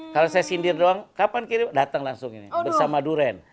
kalau saya sindir doang kapan kirim datang langsung ini bersama duren